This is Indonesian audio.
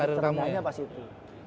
tidik terendahnya pas itu